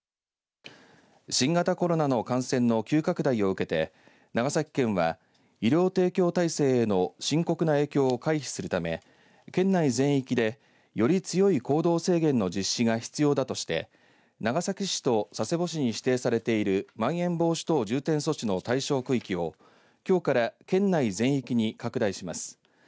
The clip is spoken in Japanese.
新型コロナの感染の急拡大を受けて長崎県は医療提供体制への深刻な影響を回避するため県内全域で、より強い行動制限の実施が必要だとして長崎市と佐世保市に指定されているまん延防止等重点措置の対象区域をきょうから県内全域に拡大します。